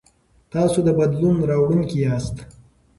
تاسو د بدلون راوړونکي یاست.